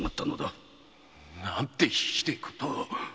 何てひでえことを！